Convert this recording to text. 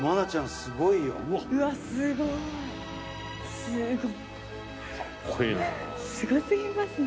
すごいね。